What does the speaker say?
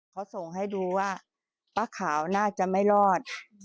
เขาส่งให้ดูว่าป้าขาวน่าจะไม่รอด